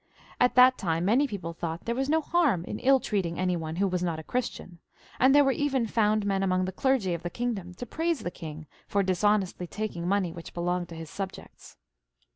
At that time many people thought there was no harm in ill treating any one who was not a Christian, and there were even found men among the clergy of the king dom to praise the king for dishonestly taking money which belonged to his subjects.